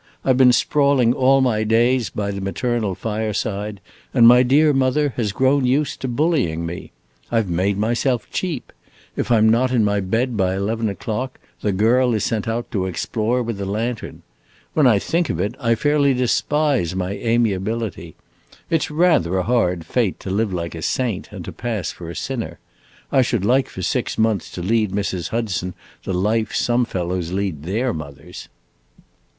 I 've been sprawling all my days by the maternal fireside, and my dear mother has grown used to bullying me. I 've made myself cheap! If I 'm not in my bed by eleven o'clock, the girl is sent out to explore with a lantern. When I think of it, I fairly despise my amiability. It 's rather a hard fate, to live like a saint and to pass for a sinner! I should like for six months to lead Mrs. Hudson the life some fellows lead their mothers!"